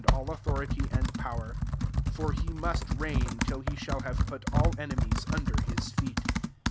all authority, and power: 25 for he must reign, till he shidi have put all enemies under his feet.